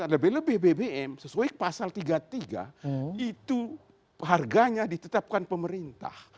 lebih lebih bbm sesuai pasal tiga puluh tiga itu harganya ditetapkan pemerintah